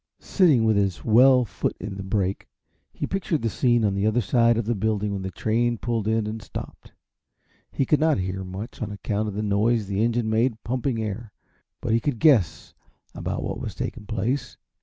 Sitting with his well foot in the brake, he pictured the scene on the other side of the building when the train pulled in and stopped. He could not hear much, on account of the noise the engine made pumping air, but he could guess about what was taking place.